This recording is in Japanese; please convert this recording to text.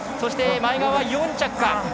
前川は４着か。